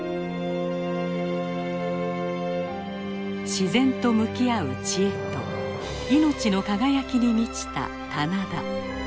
自然と向き合う知恵と命の輝きに満ちた棚田。